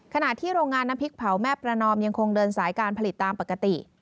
ขณะที่โรงงานน้ำพริกเผาแม่ประนอมยังคงเดินสายการผลิตตามปกติ